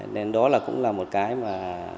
nên đó là cũng là một cái mà